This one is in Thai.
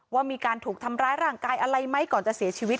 ว่ามีการถูกทำร้ายร่างกายอะไรไหมก่อนจะเสียชีวิต